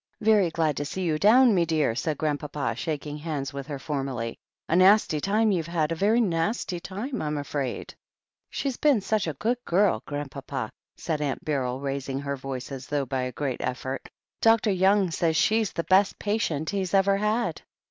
"Very glad to see you down, me dear," said Grand papa, shaking hands with her formally. "A nasty time you've had, a very nasty time, I'm afraid." "She's been such a good girl. Grandpapa," said Aimt Beryl, raising her voice as though by a great effort. "Dr. Young says she's the best patient he's ever had."